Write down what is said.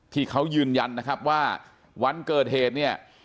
ที่เขายืนยันนะครับว่าวันเกิดเหตุเนี่ย